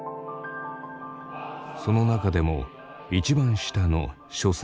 その中でも一番下の処世